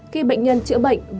khi bệnh nhân chữa bệnh